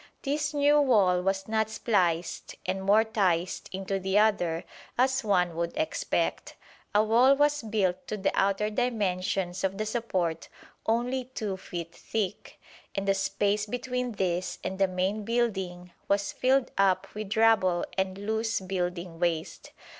This new wall was not spliced and mortised into the other as one would expect. A wall was built to the outer dimensions of the support only 2 feet thick, and the space between this and the main building was filled up with rubble and loose building waste.